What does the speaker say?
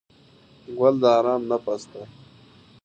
ګل د آرام نفس دی.